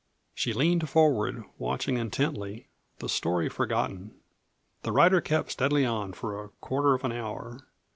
She leaned forward, watching intently, the story forgotten. The rider kept steadily on for a quarter of an hour.